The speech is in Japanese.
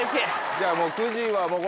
じゃあもう。